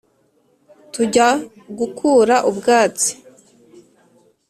Tujya gukura ubwatsi